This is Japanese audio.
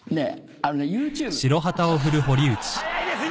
あのねＹｏｕＴｕｂｅ。